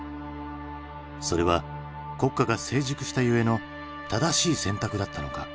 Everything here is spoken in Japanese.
それは国家が成熟したゆえの正しい選択だったのか？